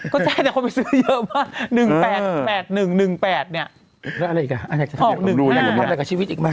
ก็ใช่แต่คนไปซื้อเยอะมาก๑๘๑๑๘เนี่ยออก๑๕